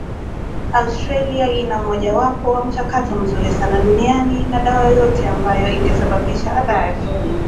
Australia ina mmojawapo wa mchakato mzuri sana duniani na dawa yoyote ambayo ingesababisha athari